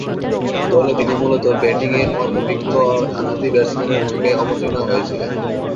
দলে তিনি মূলতঃ ব্যাটিংয়ে অভিজ্ঞ ডানহাতি ব্যাটসম্যানের ভূমিকায় অবতীর্ণ হয়েছিলেন।